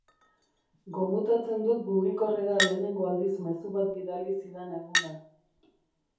Gomutatzen dut mugikorrera lehenengo aldiz mezu bat bidali zidan eguna.